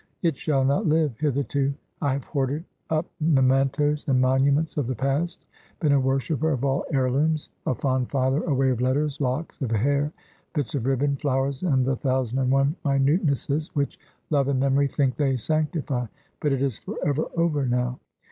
"It shall not live. Hitherto I have hoarded up mementoes and monuments of the past; been a worshiper of all heirlooms; a fond filer away of letters, locks of hair, bits of ribbon, flowers, and the thousand and one minutenesses which love and memory think they sanctify: but it is forever over now!